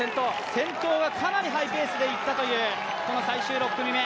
先頭はかなりハイペースでいったという、最終６組目。